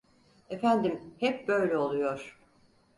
Efendim, hep böyle oluyor…